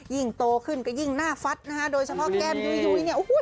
ยิ่งโตขึ้นก็ยิ่งหน้าฟัดนะฮะโดยเฉพาะแก้มยุยเนี่ยโอ้โห